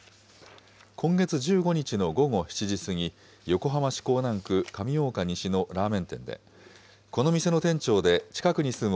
今月１５日の午後７時過ぎ、横浜市港南区上大岡西のラーメン店で、この店の店長で近くに住む